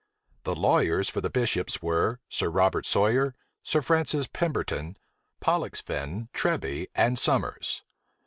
The lawyers for the bishops were, Sir Robert Sawyer, Sir Francis Pemberton, Pollexfen, Treby, and Sommers.